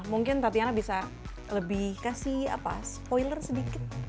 mungkin tatiana bisa lebih kasih spoiler sedikit